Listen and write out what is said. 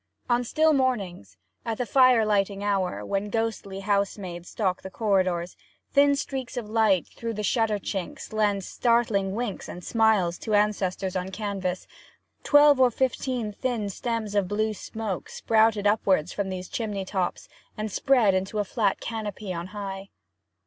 On still mornings, at the fire lighting hour, when ghostly house maids stalk the corridors, and thin streaks of light through the shutter chinks lend startling winks and smiles to ancestors on canvas, twelve or fifteen thin stems of blue smoke sprouted upwards from these chimney tops, and spread into a flat canopy on high.